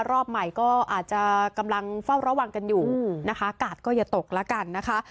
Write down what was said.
รอบใหม่ก็อาจจะกำลังเฝ้าระวังกันอยู่นะคะกาดก็อย่าตกแล้วกันนะคะ